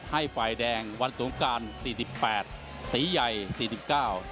ให้ฝ่ายแดงวันสงการสี่สิบแปดสีใหญ่สี่สิบเก้า